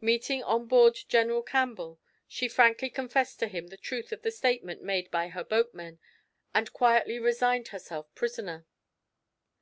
Meeting on board General Campbell, she frankly confessed to him the truth of the statement made by her boatmen, and quietly resigned herself prisoner.